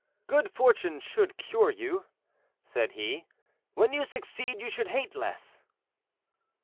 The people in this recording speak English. "Good fortune should cure you," said he; "when you succeed, you should hate less."